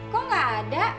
kok gak ada